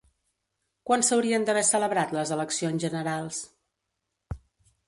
Quan s'haurien d'haver celebrat les eleccions generals?